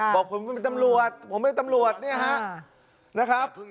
บอกผมไม่เป็นตำรวจผมไม่เป็นตำรวจนะครับ